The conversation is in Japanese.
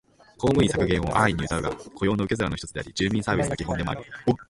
公務員削減を安易にうたうが、雇用の受け皿の一つであり、住民サービスの基本でもある